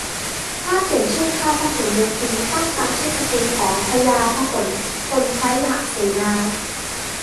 ถ้าเปลี่ยนชื่อ "ค่ายพหลโยธิน" ตั้งตามชื่อสกุลของพระยาพหลพลพยุหเสนา